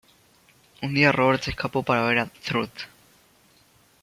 Un día Robert se escapó para ver a Truth.